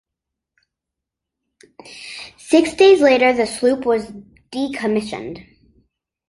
Six days later, the sloop was decommissioned.